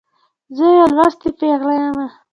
زه یوه لوستې پیغله يمه.